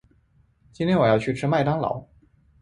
今天我要去吃麦当劳。